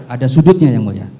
ada sudutnya yang mulia